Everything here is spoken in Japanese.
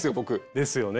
ですよね。